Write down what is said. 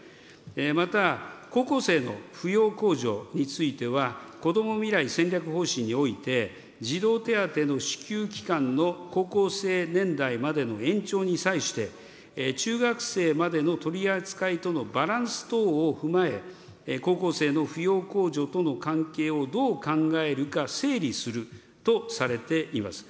また、高校生の扶養控除については、こども未来戦略方針において、児童手当の支給期間の高校生年代までの延長に際して、中学生までの取り扱いとのバランス等を踏まえ、高校生の扶養控除との関係をどう考えるか整理するとされています。